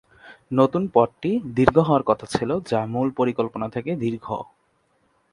নতুন পথটি দীর্ঘ হওয়ার কথা ছিল, যা মূল পরিকল্পনা থেকে দীর্ঘ।